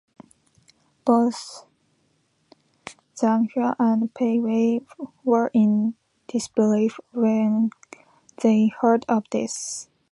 Both Zhang Hua and Pei Wei were in disbelief when they heard of this.